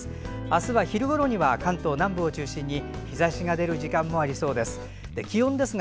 明日は昼ごろには関東南部を中心に日ざしが出る時間もありそうです。